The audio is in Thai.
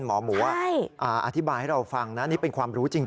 หมอหมูอธิบายให้เราฟังนะนี่เป็นความรู้จริง